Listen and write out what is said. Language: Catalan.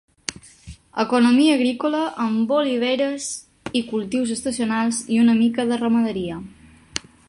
Economia agrícola amb oliveres i cultius estacionals, i una mica de ramaderia.